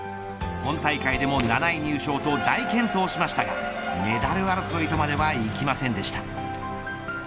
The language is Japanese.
本大会でも７位入賞と大健闘しましたがメダル争いまではいきませんでした。